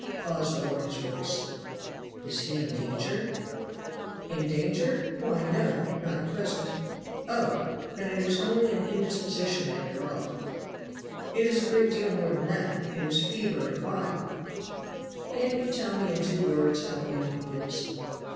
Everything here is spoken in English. Hawes lowered his voice. "Is he in danger?" "In danger? Why, no, not at present." "Oh! then it is only an indisposition after all." "It is a great deal more than that it is fever and bile." "Can't you tell me in two words how ill he is?"